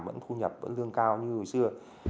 vẫn thu nhập vẫn lương cao như hồi xưa